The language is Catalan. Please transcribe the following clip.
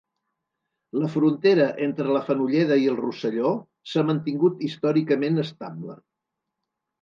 La frontera entre la Fenolleda i el Rosselló s'ha mantingut històricament estable.